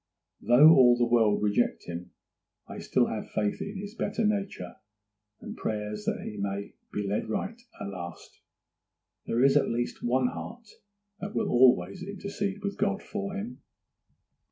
Though all the world reject him, I still have faith in this better nature, and prayers that he may be led right at last. There is at least one heart that will always intercede with God for him.